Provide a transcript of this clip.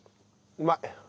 うまい！